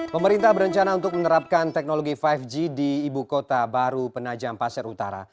pemerintah berencana untuk menerapkan teknologi lima g di ibu kota baru penajam pasir utara